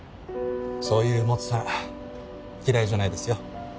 そういうモツさん嫌いじゃないですよ。